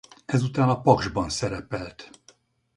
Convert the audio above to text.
Ezután a Paksban szerepelt.